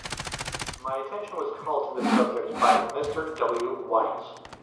My attention was called to this subject by Mr. W. Wyse.